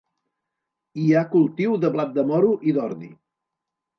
Hi ha cultiu de blat de moro i d'ordi.